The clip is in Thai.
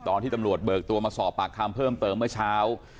ตอนที่ตำรวจเบิกตัวมาสอบปากคำเพิ่มเติมเมื่อเช้า